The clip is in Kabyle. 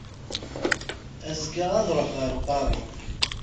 Azekka ad ruḥeɣ ɣer Paris.